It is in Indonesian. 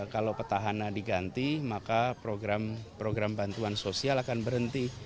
kalau petahana diganti maka program bantuan sosial akan berhenti